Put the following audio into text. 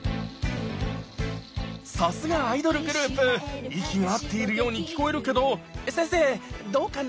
さすがアイドルグループ息が合っているように聴こえるけど先生どうかな？